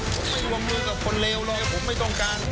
ช่วงมือกันเป็นคนเลวเหรอผมไม่ต้องการ